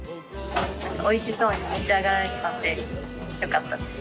おいしそうに召し上がられてたのでよかったです。